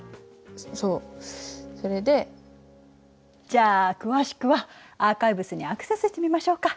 じゃあ詳しくはアーカイブスにアクセスしてみましょうか。